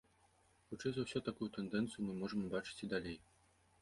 Хутчэй за ўсё, такую тэндэнцыю мы можам убачыць і далей.